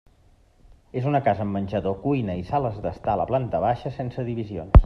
És una casa amb menjador, cuina i sales d'estar a la planta baixa sense divisions.